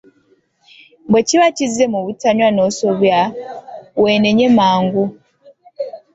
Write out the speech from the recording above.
"Bwe kiba kizze mu butanwa n'osobya, weenenye mangu."